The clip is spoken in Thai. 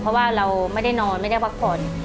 เพราะว่าเราไม่ได้นอนไม่ได้พักผ่อน